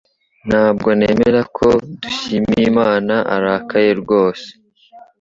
Ntabwo nemera ko Dushyimiyimana arakaye rwose